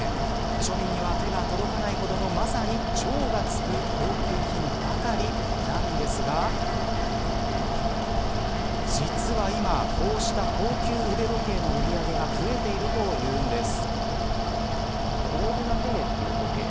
庶民には手が届かないほどのまさに超がつく高級品ばかりなんですが実は今、こうした高級腕時計の売り上げが増えているというんです。